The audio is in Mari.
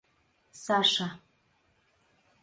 Саша.